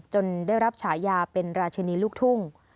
ได้รับฉายาเป็นราชินีลูกทุ่ง